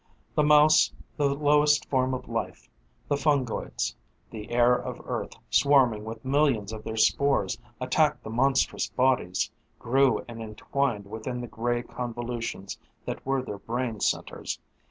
The mouse, the lowest form of life: the fungoids, the air of Earth swarming with millions of their spores, attacked the monstrous bodies, grew and entwined within the gray convolutions that were their brain centers.